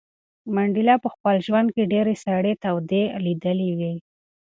منډېلا په خپل ژوند کې ډېرې سړې او تودې لیدلې وې.